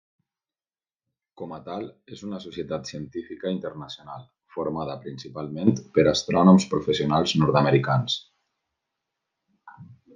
Com a tal és una societat científica internacional formada principalment per astrònoms professionals nord-americans.